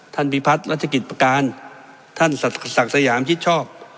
พิพัฒน์รัชกิจประการท่านศักดิ์สยามชิดชอบ